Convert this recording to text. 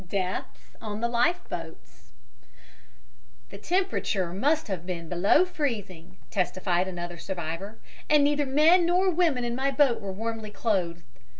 DEATHS ON THE LIFE BOATS "The temperature must have been below freezing," testified another survivor, "and neither men nor women in my boat were warmly clothed.